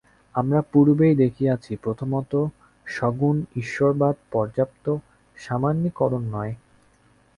আমরা পূর্বেই দেখিয়াছি, প্রথমত সগুণ-ঈশ্বরবাদ পর্যাপ্ত সামান্যীকরণ নয়।